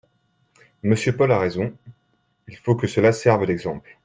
Monsieur Paul a raison, il faut que cela serve d’exemple.